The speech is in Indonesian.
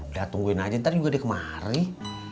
udah tungguin aja ntar juga dia kemarin